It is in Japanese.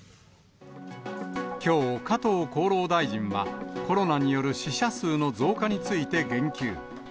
きょう、加藤厚労大臣は、コロナによる死者数の増加について言及。